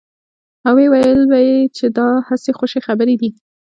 او ويل به يې چې دا هسې خوشې خبرې دي.